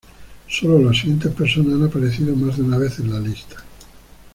Solo las siguientes personas han aparecido más de una vez en la lista.